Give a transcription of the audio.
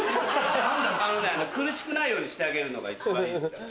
あのね苦しくないようにしてあげるのが一番いいですから。